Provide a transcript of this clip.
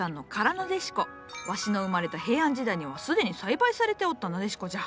わしの生まれた平安時代には既に栽培されておったナデシコじゃ。